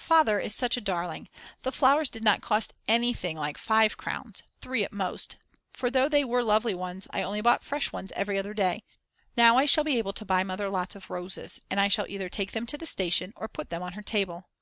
Father is such a darling, the flowers did not cost anything like 5 crowns, 3 at most, for though they were lovely ones, I only bought fresh ones every other day. Now I shall be able to buy Mother lots of roses, and I shall either take them to the station or put them on her table.